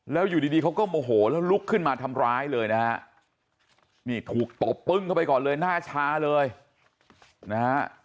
แล้วอยู่ดีเขาก็โมโหแล้วลุกขึ้นมาทำร้ายเลยนะฮะนี่ถูกตบปึ้งเข้าไปก่อนเลยหน้าชาเลยนะฮะ